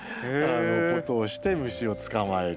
ことをして虫を捕まえる。